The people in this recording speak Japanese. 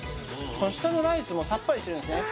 下のライスもさっぱりしてるんですね